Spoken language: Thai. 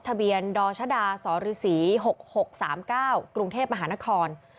ทะเบียนดชศฤ๖๖๓๙กรุงเทพฯมหานคร